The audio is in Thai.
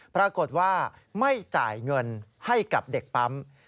ปรากฏว่าไม่จ่ายเงินให้กับเด็กปั๊ม